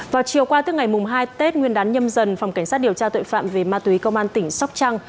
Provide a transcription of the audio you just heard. vào chiều qua tức ngày hai tết nguyên đán nhâm dần phòng cảnh sát điều tra tội phạm về ma túy công an tỉnh sóc trăng